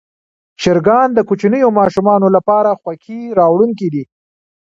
چرګان د کوچنیو ماشومانو لپاره خوښي راوړونکي دي.